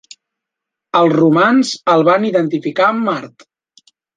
Els romans el van identificar amb Mart.